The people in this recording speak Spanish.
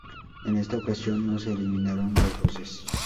En esta ocasión, no se eliminaron las voces.